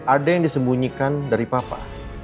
ada yang disembunyikan dari papa